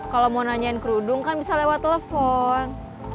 kalau mau nanyain kerudung kan bisa lewat telepon